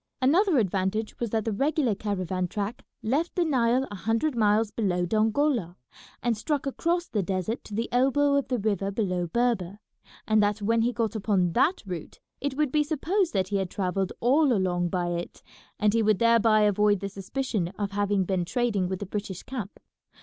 Another advantage was that the regular caravan track left the Nile a hundred miles below Dongola, and struck across the desert to the elbow of the river below Berber, and that when he got upon that route it would be supposed that he had travelled all along by it, and he would thereby avoid the suspicion of having been trading with the British camp.